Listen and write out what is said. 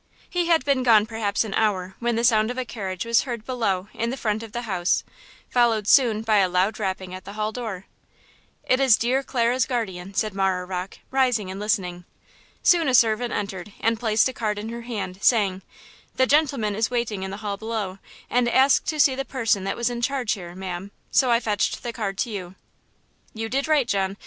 He had been gone perhaps an hour when the sound of a carriage was heard below in the front of the house, followed soon by a loud rapping at the hall door. "It is dear Clara's guardian," said Marah Rocke, rising and listening. Soon a servant entered and placed a card in her hand, saying: "The gentleman is waiting in the hall below, and asked to see the person that was in charge here, ma'am; so I fetch the card to you." "You did right, John.